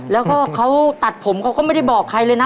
แล้วก็เขาตัดผมเขาก็ไม่ได้บอกใครเลยนะ